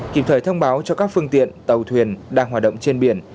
kịp thời thông báo cho các phương tiện tàu thuyền đang hoạt động trên biển